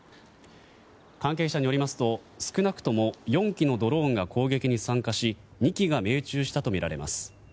関係者によりますと少なくとも４機のドローンが攻撃に参加し２機が命中したとみられます。